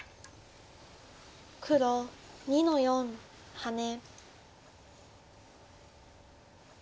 黒２の四ハネ。